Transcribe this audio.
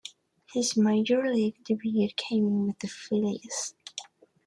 His major league debut came in with the Phillies.